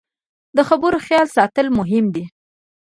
د خبرو خیال ساتل مهم دي